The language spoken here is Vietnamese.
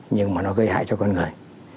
nhưng mà nó gây hại cho con người